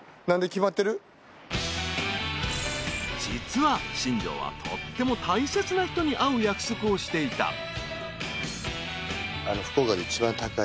［実は新庄はとっても大切な人に会う約束をしていた］